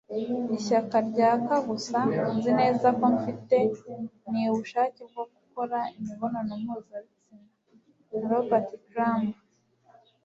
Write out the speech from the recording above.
ishyaka ryaka gusa nzi neza ko mfite, ni ubushake bwo gukora imibonano mpuzabitsina - robert crumb